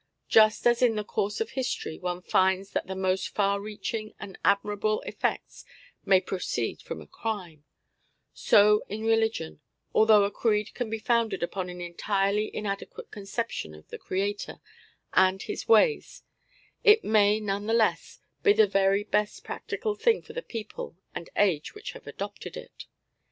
Just as in the course of history one finds that the most far reaching and admirable effects may proceed from a crime; so in religion, although a creed be founded upon an entirely inadequate conception of the Creator and His ways, it may none the less be the very best practical thing for the people and age which have adopted it.